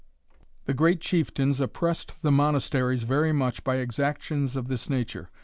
The great chieftains oppressed the monasteries very much by exactions of this nature.